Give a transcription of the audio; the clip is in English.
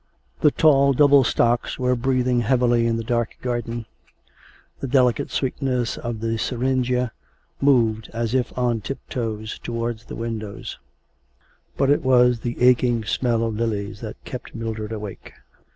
I. The tall double stocks were breathing heavily in the dark garden; the delicate sweetness of the syringa moved as if on tip toe towards the windows; but it was the aching smell of lilies that kept Mildred awake.